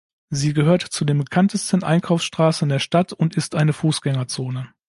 Sie gehört zu den bekanntesten Einkaufsstraßen der Stadt und ist eine Fußgängerzone.